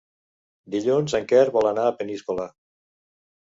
Dilluns en Quer vol anar a Peníscola.